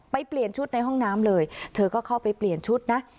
เปลี่ยนชุดในห้องน้ำเลยเธอก็เข้าไปเปลี่ยนชุดนะ